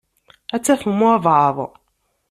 Ad tafem walebɛaḍ.